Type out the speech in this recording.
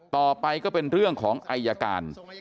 ต่อไปก็เป็นเรื่องของอายการ